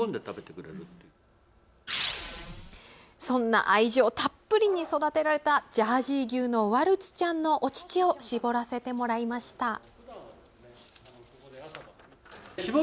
そんな愛情たっぷりに育てられたジャージー牛のワルツちゃんのお乳を搾らせてもらいました。